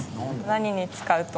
何？